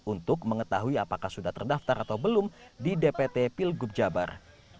untuk mengetahui apakah sudah terdaftar atau belum di dpt pilgub jabar